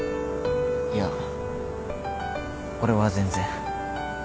いや俺は全然。